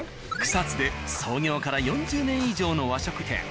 草津で創業から４０年以上の和食店「暖」。